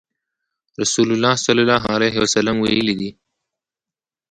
رسول الله صلی الله عليه وسلم ويلي دي :